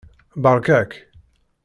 Beṛka-k.